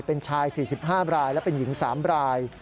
เป็นชาย๔๕รายและเป็นหญิง๓ราย